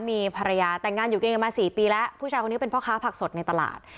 มีภรรยาแต่งงานอยู่กินกันมา๔ปีแล้วผู้ชายคนนี้เป็นพ่อค้าผักสดในตลาด